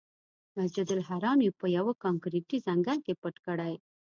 مسجدالحرام یې په یوه کانکریټي ځنګل کې پټ کړی.